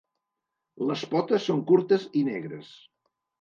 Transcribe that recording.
Les potes són curtes i negres.